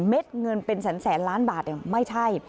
เงินเป็นแสนล้านบาทไม่ใช่